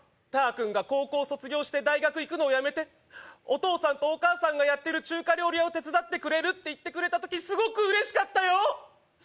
タ君が高校卒業して大学行くのをやめてお父さんとお母さんがやってる中華料理屋を手伝ってくれるって言ってくれた時すごく嬉しかったよ